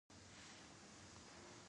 آیا موږ بریالي یو؟